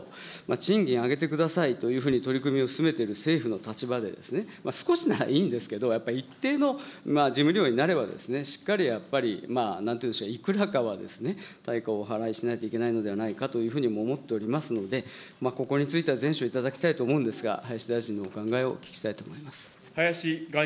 賃金上げてくださいというふうに取り組みを進めてる政府の立場で、少しならいいんですけど、やっぱり一定の事務量になれば、しっかりやっぱり、なんていうんでしょうか、いくらかは対価をお払いしなければならないのではないかと思っておりますので、ここについては善処いただきたいと思うんですが、林外務大臣。